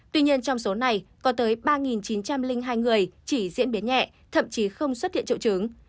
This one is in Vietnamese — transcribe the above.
tuy nhiên trong số này có tới ba chín trăm linh hai người chỉ diễn biến nhẹ thậm chí không xuất hiện triệu chứng